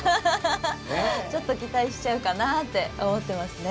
ちょっと期待しちゃうかなって思ってますね。